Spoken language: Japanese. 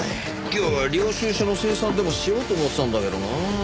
今日は領収書の精算でもしようと思ってたんだけどな。